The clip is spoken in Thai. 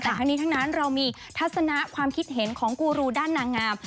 แต่ทั้งนี้ทั้งนั้นเรามีทัศนะความคิดเห็นของกูรูด้านนางงาม